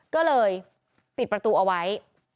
ก็เลยปิดประตูเอาไว้